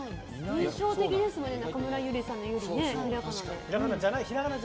印象的ですもんね中村ゆりの「ゆり」って。